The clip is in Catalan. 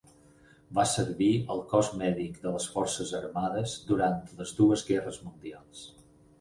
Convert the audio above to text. Va servir al cos mèdic de les forces armades durant les dues guerres mundials.